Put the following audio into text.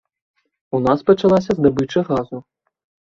У нас пачалася здабыча газу.